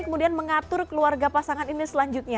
kemudian mengatur keluarga pasangan ini selanjutnya